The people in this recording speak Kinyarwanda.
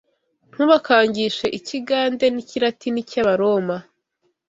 Ntubakangishe ikigade n’ikiratini cy’Abaroma